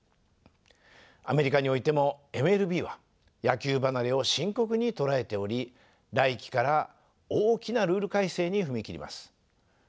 アメリカにおいてもＭＬＢは野球離れを深刻に捉えており来季から大きなルール改正に踏み切ります。